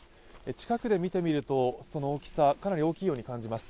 近くで見てみると、その大きさかなり大きいように感じます。